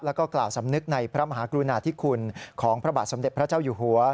แล้วก็กล่าวสำนึกในพระมหากรุณาธิคุณของพระบาทสมเด็จพระเจ้าอยู่หัว